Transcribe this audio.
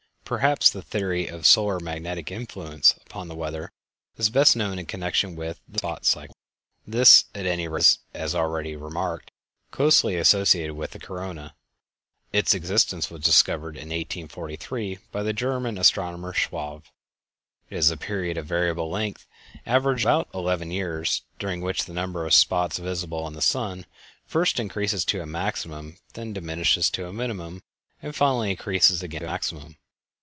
Perhaps the theory of solar magnetic influence upon the weather is best known in connection with the "sun spot cycle." This, at any rate, is, as already remarked, closely associated with the corona. Its existence was discovered in 1843 by the German astronomer Schwabe. It is a period of variable length, averaging about eleven years, during which the number of spots visible on the sun first increases to a maximum, then diminishes to a minimum, and finally increases again to a maximum.